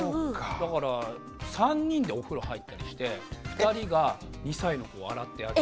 だから３人でお風呂入ったりして２人が２歳の子を洗ってあげたりとか。